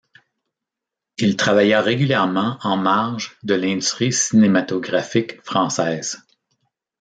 Il travailla régulièrement en marge de l'industrie cinématographique française.